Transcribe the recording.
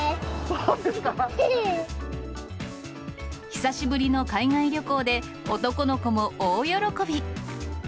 久しぶりの海外旅行で男の子も大喜び。